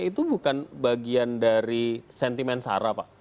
itu bukan bagian dari sentimen sara pak